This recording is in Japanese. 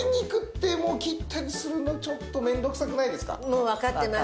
もうわかってます。